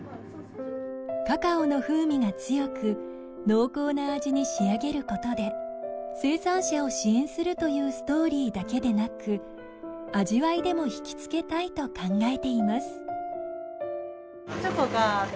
カカオの風味が強く濃厚な味に仕上げることで生産者を支援するというストーリーだけでなく味わいでも引きつけたいと考えています。